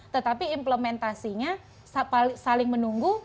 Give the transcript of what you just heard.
tetapi implementasinya saling menunggu